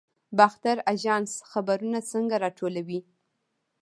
باختر اژانس خبرونه څنګه راټولوي؟